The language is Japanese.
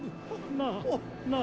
なあなあ。